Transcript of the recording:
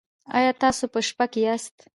ایا تاسو په شپه کې یاست؟